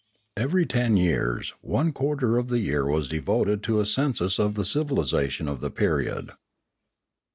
Every ten years, one quarter of the year was devoted to a census of the civilisation of the period.